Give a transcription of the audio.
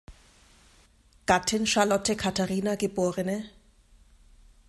Gattin Charlotte Katharina geb.